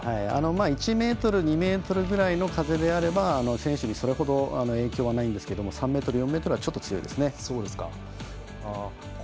１メートル、２メートルくらいの風であれば選手に、それほど影響はないんですが３メートル、４メートルはちょっと強いですね。